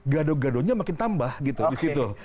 gado gadonya makin tambah gitu di situ